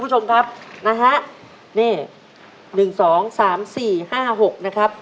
ขอบคุณครับนะฮะนี่๑๒๓๔๕๖นะครับ